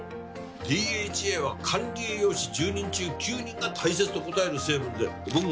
ＤＨＡは管理栄養士１０人中９人が大切と答える成分で僕もね